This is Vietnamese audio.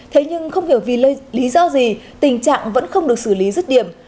thế nhưng không hiểu vì lý do gì tình trạng vẫn không được xử lý rứt điểm